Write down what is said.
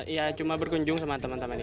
ya cuma berkunjung sama teman teman ini